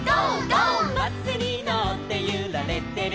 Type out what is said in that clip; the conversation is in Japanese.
「バスにのってゆられてる」